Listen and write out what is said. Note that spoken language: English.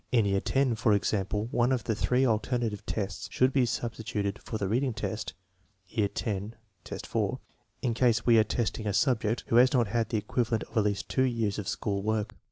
In year X, for example, one of the three alternative tests should be substituted for the reading test (X, 4) in case we are testing a subject who has not had the equivalent of at least two years of school work.